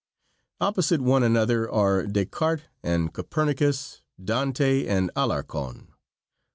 Opposite one another are Descartes and Copernicus, Dante and Alarcon.